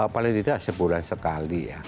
paling tidak sebulan sekali ya